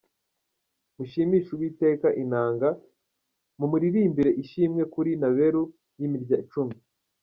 Mushimishe Uwiteka inanga, Mumuririmbirire ishimwe kuri nebelu y’imirya cumi.